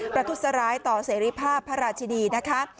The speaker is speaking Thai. ประทุษร้ายต่อเสรีภาพพระราชินีนะคะ